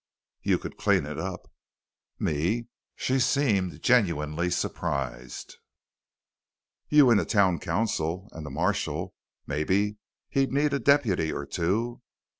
"You could clean it up." "Me?" She seemed genuinely surprised. "You and the town council. And the marshal. Maybe he'd need a deputy or two."